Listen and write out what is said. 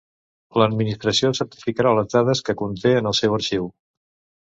L'Administració certificarà les dades que conté en el seu arxiu.